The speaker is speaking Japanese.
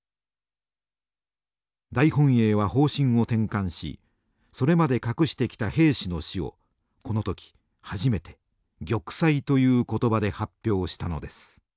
大本営は方針を転換しそれまで隠してきた兵士の死をこの時初めて玉砕という言葉で発表したのです。